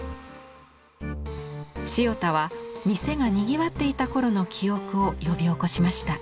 塩田は店がにぎわっていた頃の記憶を呼び起こしました。